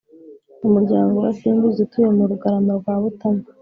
umuryango wa simbizi utuye mu rugarama rwa butamwa